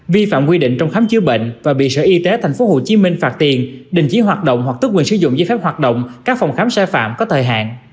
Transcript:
vi phạm quy định trong khám chữa bệnh và bị sở y tế tp hcm phạt tiền đình chỉ hoạt động hoặc tước quyền sử dụng giấy phép hoạt động các phòng khám sai phạm có thời hạn